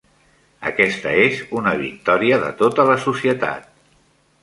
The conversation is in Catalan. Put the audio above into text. Aquesta és una victòria de tota la societat.